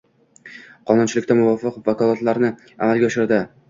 qonunchilikka muvofiq boshqa vakolatlarni amalga oshiradi.